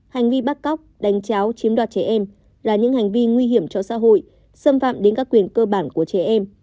hành vi bắt cóc đánh cháo chiếm đoạt trẻ em là những hành vi nguy hiểm cho xã hội xâm phạm đến các quyền cơ bản của trẻ em